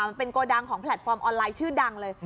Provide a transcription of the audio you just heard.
มันเป็นโกดังของแพลตฟอร์มออนไลน์ชื่อดังเลย